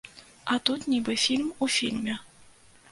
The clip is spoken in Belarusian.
А тут нібы фільм у фільме.